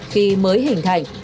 khi mới hình thành